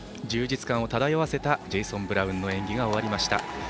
充実感を漂わせたジェイソン・ブラウンの演技が終わりました。